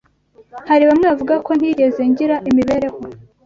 Hari bamwe bavuga ko ntigeze ngira imibereho